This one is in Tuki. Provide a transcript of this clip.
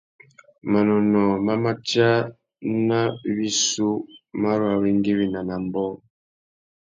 Manônōh má matia nà wissú mà ru awéngüéwina nà ambōh.